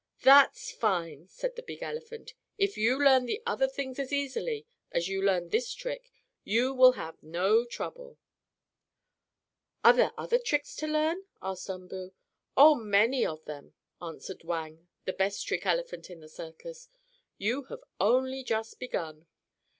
"That's fine!" said the big elephant. "If you learn the other things as easily as you learned this trick, you will have no trouble." "Are there other tricks to learn." asked Umboo. "Oh, many of them," answered Wang, the best trick elephant in the circus. "You have only just begun."